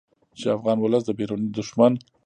چې افغان ولس د بیروني دښمن